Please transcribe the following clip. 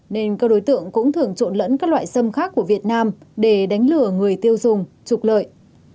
nên các đối tượng cũng thường trộn lẫn các loại sâm khác của việt nam để đánh lửa người tiêu dùng trục lợi